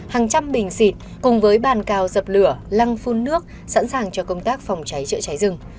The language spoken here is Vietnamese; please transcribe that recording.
hàng trăm bình xịt cùng với bàn cao dập lửa lăng phun nước sẵn sàng cho công tác phòng cháy chữa cháy rừng